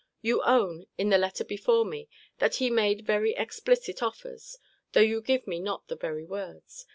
You own, in the letter before me, that he made very explicit offers, though you give me not the very words.